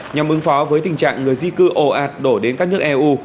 nhằm ứng phó với tình trạng người di cư ồ ạt đổ đến các nước eu